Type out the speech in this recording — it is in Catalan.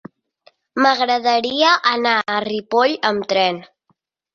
M'agradaria anar a Ripoll amb tren.